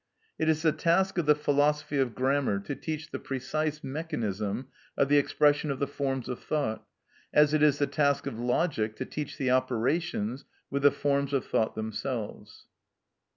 It is the task of the philosophy of grammar to teach the precise mechanism of the expression of the forms of thought, as it is the task of logic to teach the operations with the forms of thought themselves.